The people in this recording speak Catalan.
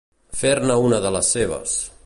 Fer-ne una de les seves.